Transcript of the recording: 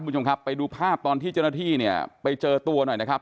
คุณผู้ชมครับไปดูภาพตอนที่เจ้าหน้าที่เนี่ยไปเจอตัวหน่อยนะครับ